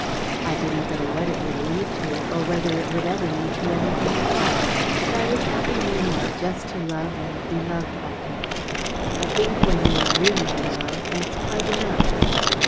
I didn't know what it would lead to, or whether it would ever lead to anything at all; but I was happy meanwhile just to love and be loved by him. I think when you're really in love, that's quite enough.